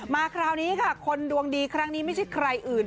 คราวนี้ค่ะคนดวงดีครั้งนี้ไม่ใช่ใครอื่น